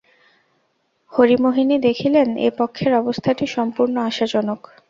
হরিমোহিনী দেখিলেন, এ পক্ষের অবস্থাটি সম্পূর্ণ আশাজনক।